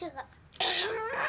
ada apa nih